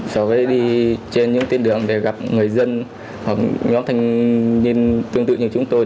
so với đi trên những tiến đường để gặp người dân hoặc nhóm thanh niên tương tự như chúng tôi